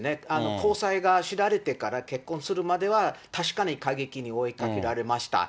交際が知られてから結婚するまでは、確かに過激に追いかけられました。